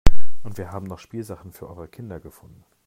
Und wir haben noch Spielsachen für eure Kinder gefunden.